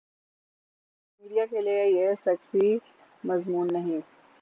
Media کیلئے یہ sexy مضمون نہیں۔